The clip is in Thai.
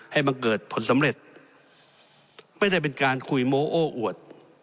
บังเกิดผลสำเร็จไม่ได้เป็นการคุยโมโอ้อวด